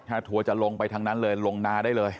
ถ้าทัวร์จะลงไปทางนั้นเลยลงนาได้เลย